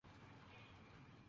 কোনো অস্ত্র ব্যবহার করো না।